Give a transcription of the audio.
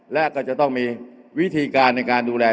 และก็จะต้องมีวิธีการในการดูแล